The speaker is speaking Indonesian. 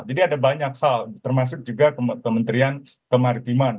jadi ada banyak hal termasuk juga kementerian kemaritiman